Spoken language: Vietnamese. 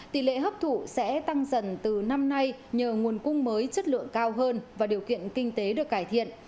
tỷ lệ hấp thụ sẽ tăng dần từ năm nay nhờ nguồn cung mới chất lượng cao hơn và điều kiện kinh tế được cải thiện